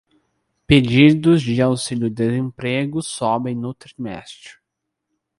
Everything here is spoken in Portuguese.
Pedidos de auxílio-desemprego sobem no trimestre